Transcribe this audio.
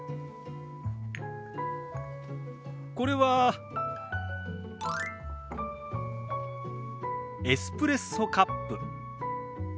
これはエスプレッソカップ。